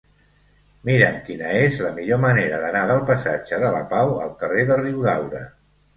Mira'm quina és la millor manera d'anar del passatge de la Pau al carrer de Riudaura.